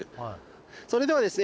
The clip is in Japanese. それではですね